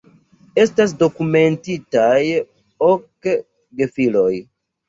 Estas dokumentitaj ok gefiloj.